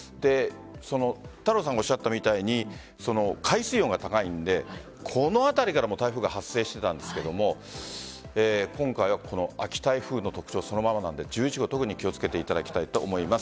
太郎さんがおっしゃったみたいに海水温が高いのでこの辺りから台風が発生したんですが秋台風の特徴そのままなので１１号気を付けていただきたいと思います。